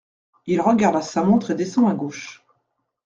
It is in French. Il regarde à sa montre et descend à gauche.